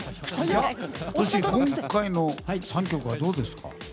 今回の３曲はどうですか？